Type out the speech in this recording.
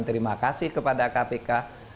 terima kasih kepada kpk